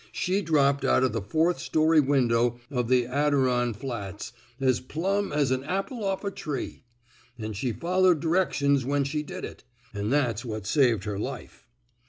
She dropped out o' the fourth story win dow o' the Adiron Flats, as plumb as an apple off a tree. An' she followed directions when she did it. An' that's what saved her life."